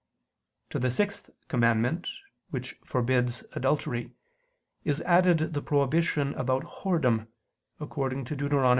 To the sixth commandment which forbids adultery, is added the prohibition about whoredom, according to Deut.